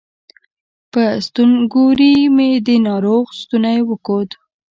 په ستونګوري مې د ناروغ ستونی وکوت